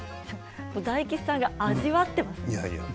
大吉さんが味わってます。